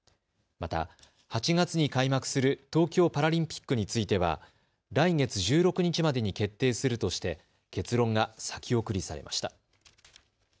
また８月に開幕する東京パラリンピックについては来月２６日までに決定するとして結論が先送りされました。